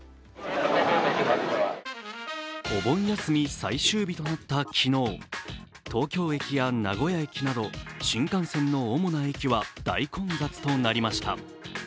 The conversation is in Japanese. お盆休み最終日となった昨日、東京駅や名古屋駅など新幹線の主な駅は大混雑となりました。